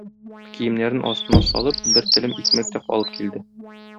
Киемнәрен астына салып, бер телем икмәк тә алып килде.